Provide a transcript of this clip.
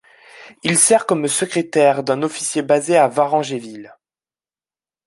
Il sert comme secrétaire d'un officier basé à Varangéville.